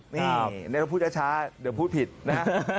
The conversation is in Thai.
นี่เดี๋ยวพูดช้าเดี๋ยวพูดผิดนะ